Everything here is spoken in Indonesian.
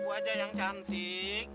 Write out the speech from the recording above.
bu haji yang cantik